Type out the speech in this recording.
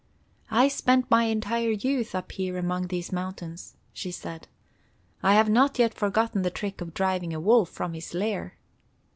"I spent my entire youth up here among these mountains," she said. "I have not yet forgotten the trick of driving a wolf from his lair."